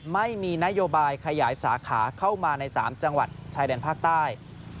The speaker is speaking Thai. ไม่มีนโยบายขยายสาขาเข้ามาใน๓จังหวัดชายแดนภาคใต้